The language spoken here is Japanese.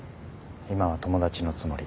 今は友達のつもり。